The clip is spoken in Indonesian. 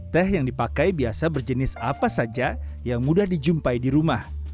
teh yang dipakai biasa berjenis apa saja yang mudah dijumpai di rumah